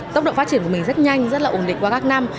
tốc độ phát triển của mình rất nhanh rất là ổn định qua các năm